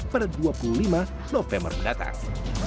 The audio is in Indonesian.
pada dua puluh lima november mendatang